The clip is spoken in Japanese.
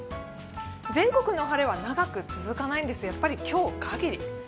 全国の晴れは長く続かないんです、今日限り。